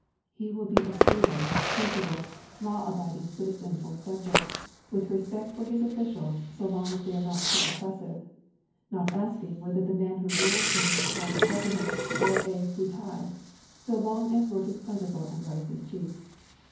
He will be a stable, peaceable, law abiding citizen or subject, with respect for his officials so long as they are not too oppressive; not asking whether the man who rules him is called a governor or a futai, so long as work is plentiful and rice is cheap.